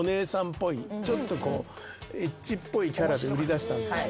ちょっとエッチっぽいキャラで売り出したんですよ。